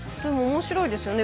面白いですよね。